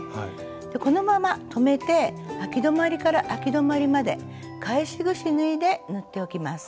このまま留めてあき止まりからあき止まりまで返しぐし縫いで縫っておきます。